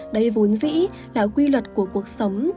đây vốn dĩ là quy luật của cuộc sống